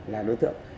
là đối tượng